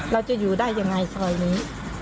เราจะอยู่ได้ยังไงซอยนี้